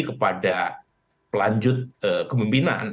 kepada pelanjut kemimpinan